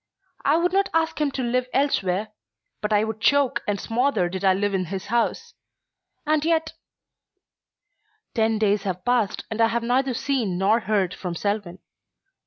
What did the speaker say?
I would not ask him to live elsewhere, but I would choke and smother did I live in his house. And yet Ten days have passed and I have neither seen nor heard from Selwyn.